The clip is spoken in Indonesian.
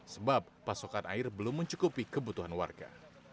sebab pasokan air belum mencukupi kebutuhan warga